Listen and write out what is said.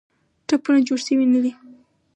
ټپونه جوړ سوي نه دي.